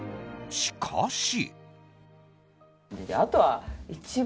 しかし。